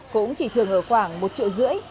cũng chỉ thường ở khoảng một triệu rưỡi